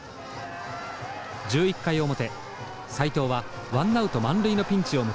１１回表斎藤はワンナウト満塁のピンチを迎えます。